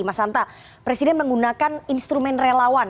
mas hanta presiden menggunakan instrumen relawan